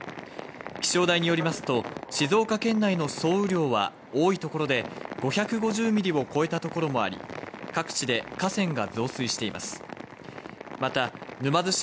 気象台によりますと、静岡県内の総雨量は多い所で５５０ミリを超えた所もあり、各地で河川が増水しています。